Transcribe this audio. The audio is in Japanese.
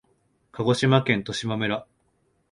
鹿児島県十島村